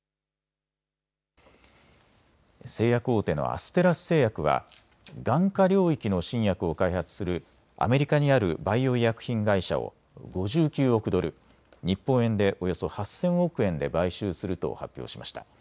製薬大手のアステラス製薬は眼科領域の新薬を開発するアメリカにあるバイオ医薬品会社を５９億ドル、日本円でおよそ８０００億円で買収すると発表しました。